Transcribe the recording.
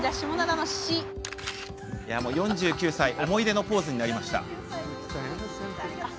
思い出のポーズになりました。